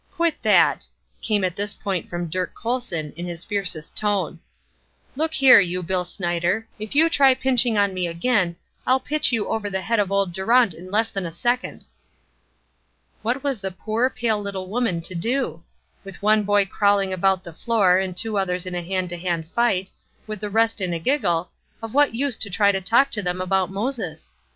"Quit that!" came at this point from Dirk Colson, in his fiercest tone. "Look here, you Bill Snyder, if you try pinching on me again I'll pitch you over the head of old Durant in less than a second!" What was the poor, pale little woman to do? With one boy crawling about the floor and two others in a hand to hand fight, with the rest in a giggle, of what use to try to talk to them about Moses?